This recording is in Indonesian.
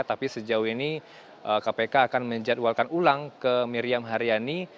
tapi sejauh ini kpk akan menjadwalkan ulang ke miriam haryani